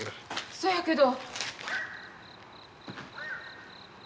そやけど。